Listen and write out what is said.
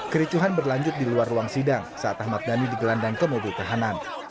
kericuhan berlanjut di luar ruang sidang saat ahmad dhani digelandang ke mobil tahanan